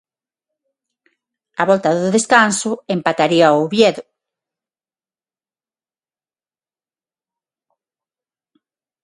Á volta do descanso empataría o Oviedo.